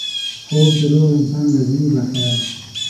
خوب د روغ انسان لازمي برخه ده